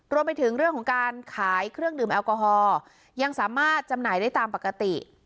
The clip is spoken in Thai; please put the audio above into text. รวมไปถึงเรื่องของการขายเครื่องดื่มแอลกอฮอล์ยังสามารถจำหน่ายได้ตามปกติ